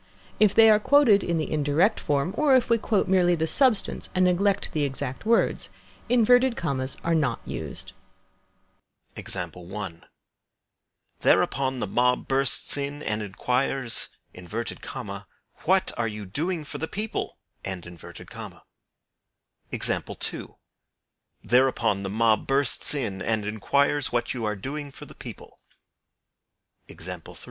If they are quoted in the indirect form, or if we quote merely the substance, and neglect the exact words, inverted commas are not used. Thereupon the mob bursts in and inquires, "What are you doing for the people?" Thereupon the mob bursts in and inquires what you are doing for the people.